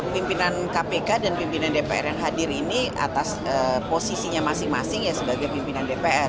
pimpinan kpk dan pimpinan dpr yang hadir ini atas posisinya masing masing ya sebagai pimpinan dpr